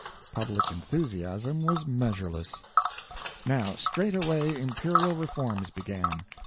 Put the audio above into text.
Public enthusiasm was measureless. Now straightway imperial reforms began.